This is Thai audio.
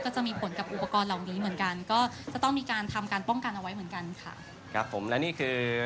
ก็จะต้องมีการทำการป้องกันเอาไว้เหมือนกันค่ะครับผมและนี่คือ